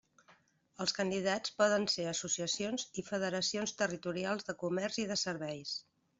Els candidats poden ser associacions i federacions territorials de comerç i de serveis.